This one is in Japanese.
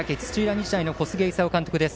日大の小菅勲監督です。